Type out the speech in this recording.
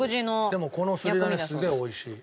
でもこのすりだねすげえ美味しい。